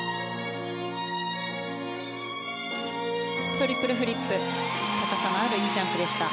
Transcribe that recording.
トリプルフリップ高さのあるいいジャンプでした。